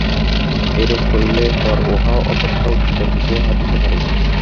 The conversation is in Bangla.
ঐরূপ করিলে পর উহা অপেক্ষা উচ্চতর বিষয়ে হাত দিতে পারিবেন।